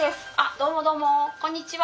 どうもどうもこんにちは。